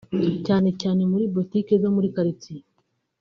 cyane cyane muri butike zo muri karitsiye